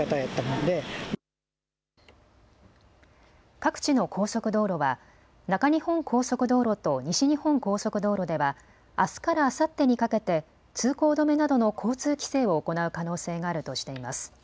各地の高速道路は、中日本高速道路と西日本高速道路では、あすからあさってにかけて通行止めなどの交通規制を行う可能性があるとしています。